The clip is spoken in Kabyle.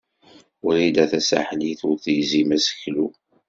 Wrida Tasaḥlit ur tegzim aseklu.